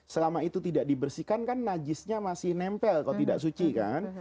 selama itu tidak dibersihkan kan najisnya masih nempel kalau tidak suci kan